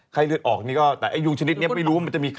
ไข้เลือดออกนี่ก็แต่ไอ้ยุงชนิดนี้ไม่รู้ว่ามันจะมีใคร